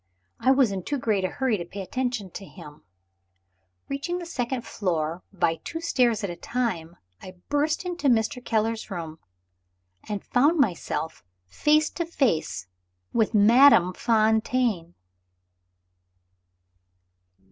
I was in too great a hurry to pay any attention to him. Reaching the second floor by two stairs at a time, I burst into Mr. Keller's bedroom, and found myself face to face with Madame Fontaine!